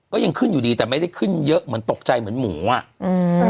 ก็ยังขึ้นอยู่ดีแต่ไม่ได้ขึ้นเยอะเหมือนตกใจเหมือนหมูอ่ะอืม